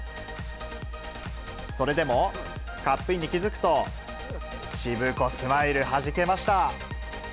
それでも、カップインに気付くと、しぶこスマイルはじけました。